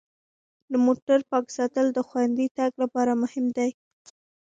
د موټر پاک ساتل د خوندي تګ لپاره مهم دي.